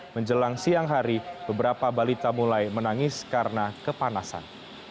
menjelang siang hari beberapa balita mulai menangis karena kepanasan